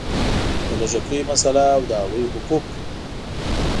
د لږکیو مسله او د هغوی حقوق